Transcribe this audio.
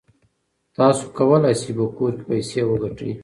تاسو کولای شئ په کور کې پیسې وګټئ.